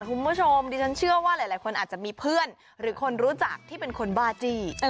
คุณผู้ชมดิฉันเชื่อว่าหลายคนอาจจะมีเพื่อนหรือคนรู้จักที่เป็นคนบ้าจี้